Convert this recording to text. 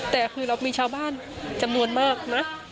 แต่คือเรามีชาวบ้านจำนวนมากนะ